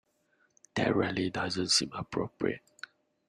That really doesn't seem appropriate.